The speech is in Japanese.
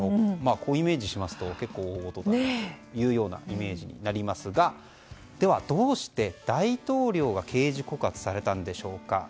こうイメージしますと結構大ごとだというイメージになりますがでは、どうして大統領が刑事告発されたんでしょうか。